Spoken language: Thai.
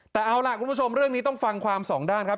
แต่เอาล่ะคุณผู้ชมเรื่องนี้ต้องฟังความสองด้านครับ